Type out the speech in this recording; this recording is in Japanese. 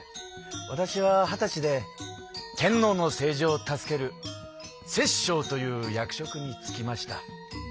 わたしは二十歳で天皇の政治を助ける摂政という役職につきました。